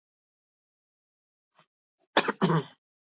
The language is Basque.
Estreinatu zenetik, astero, lidergoari eutsi dio bere ordu-tartean.